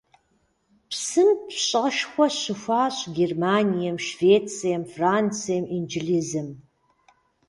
Псым пщӀэшхуэ щыхуащӀ Германием, Швецием, Францием, Инджылызым.